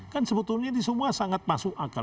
kan sebetulnya ini semua sangat masuk akal